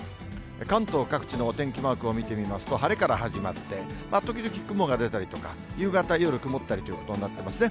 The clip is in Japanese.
関東各地のお天気マークを見てみますと、晴れから始まって、時々雲が出たりとか、夕方、夜、曇ったりということになってますね。